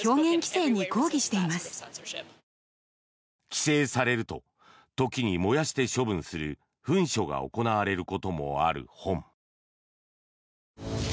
規制されると時に燃やして処分するふん書が行われることもある本。